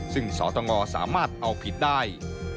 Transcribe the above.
ซึ่งสตงสามารถเอาผิดได้